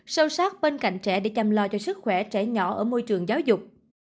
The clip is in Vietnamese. sâu sát bên cạnh trẻ để chăm lo cho sức khỏe trẻ nhỏ ở môi trường giáo dục